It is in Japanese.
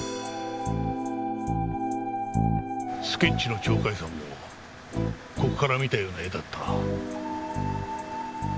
スケッチの鳥海山もここから見たような絵だった。